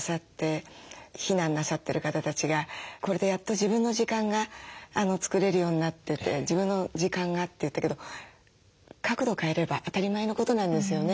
避難なさってる方たちが「これでやっと自分の時間が作れるようになって」って「自分の時間が」って言ったけど角度を変えれば当たり前のことなんですよね。